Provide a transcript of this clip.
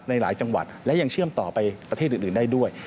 ในหลายจังหวัดและยังเชื่อมต่อไปประเทศอื่นได้ด้วย